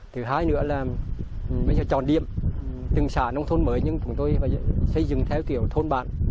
thứ hai nữa là tròn điệp từng xả nông thôn mới nhưng chúng tôi xây dựng theo kiểu thôn bản